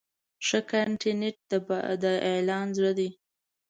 ښه کانټینټ د اعلان زړه دی.